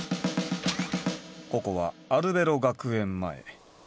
ここはアルベロ学園前。